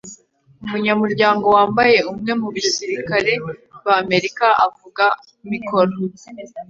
Umunyamuryango wambaye umwe mubasirikare ba Amerika avuga mikoro